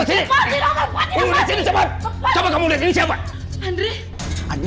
kasian tahu keatna